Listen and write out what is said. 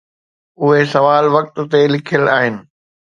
اهي سوال وقت تي لکيل آهن.